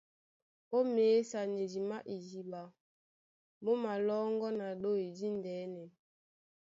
Ó měsanedi má idiɓa. Mú malɔ́ŋgɔ́ na ɗôy díndɛ̄nɛ.